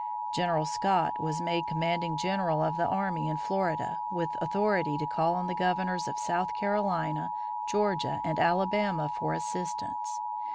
General Scott was made commanding general of the army in Florida, with authority to call on the governors of South Carolina, Georgia, and Alabama for assistance.